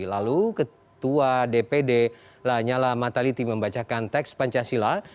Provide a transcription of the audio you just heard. lalu ketua dpd lanyala mataliti membacakan teks pancasila